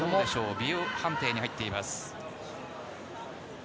ビデオ判定に入っています。